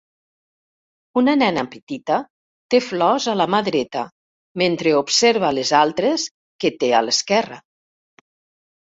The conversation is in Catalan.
Una nena petita té flors a la mà dreta mentre observa les altres que té a l'esquerra.